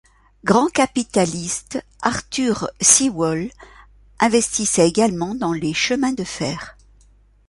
Grand capitaliste, Arthur Sewall investissait également dans les chemins de fer.